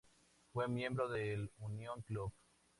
Fue miembro del Union Club.